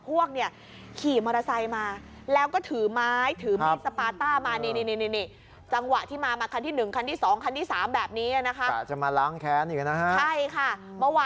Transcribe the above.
วันนี้ยกพวกมาโหลหนึ่งเลยค่ะ